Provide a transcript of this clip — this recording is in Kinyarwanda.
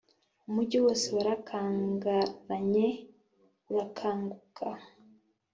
umujyi wose warakangaranye urakanguka